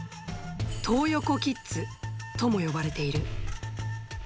トー横キッズとも呼ばれている。